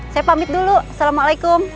saya pamit dulu assalamualaikum